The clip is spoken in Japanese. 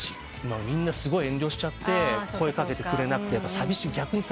みんなすごい遠慮しちゃって声掛けてくれなくて逆に寂しいみたいな。